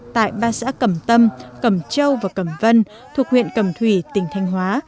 tại ba xã cẩm tâm cẩm châu và cẩm vân thuộc huyện cẩm thủy tỉnh thanh hóa